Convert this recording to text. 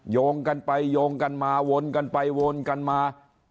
โยงกันไปโยงกันมาวนกันไปวนกันมา